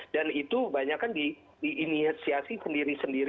dan itu kebanyakan diinisiasi sendiri sendiri